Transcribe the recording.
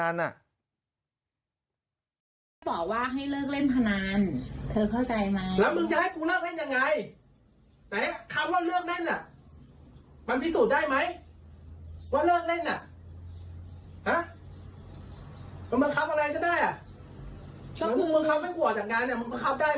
บอกว่าให้เลิกเล่นพนันเธอเข้าใจไหม